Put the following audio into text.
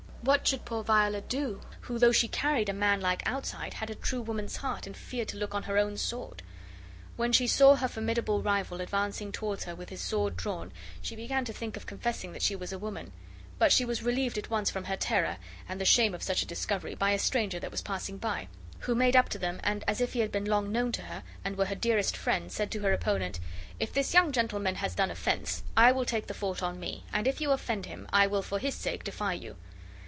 What should poor Viola do, who, though she carried a man like outside, had a true woman's heart and feared to look on her own sword? When, she saw her formidable rival advancing toward her with his sword drawn she began to think of confessing that she was a woman; but she was relieved at once from her terror, and the shame of such a discovery, by a stranger that was passing by, who made up to them, and as if he had been long known to her and were her dearest friend said to her opponent: "If this young gentleman has done offense, I will take the fault on me; and if you offend him, I will for his sake defy you."